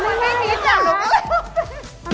มันไม่มีจังหรอกแล้ว